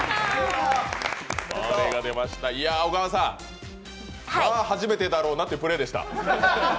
小川さん、まあ初めてだろうなというプレーでした。